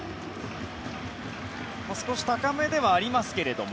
少し高めではありますけども。